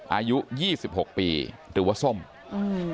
อายุยี่สิบหกปีหรือว่าส้มอืม